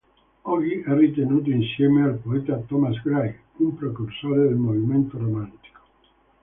Oggi è ritenuto, insieme al poeta Thomas Gray, un precursore del movimento romantico.